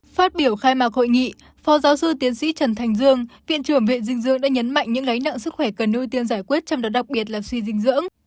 phát biểu khai mạc hội nghị phó giáo sư tiến sĩ trần thành dương viện trưởng viện dinh dưỡng đã nhấn mạnh những gánh nặng sức khỏe cần ưu tiên giải quyết trong đó đặc biệt là suy dinh dưỡng